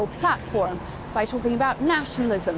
dengan berbicara tentang nasionalisme